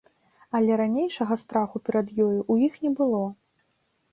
Але ранейшага страху перад ёю ў іх не было.